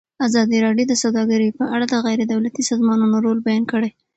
ازادي راډیو د سوداګري په اړه د غیر دولتي سازمانونو رول بیان کړی.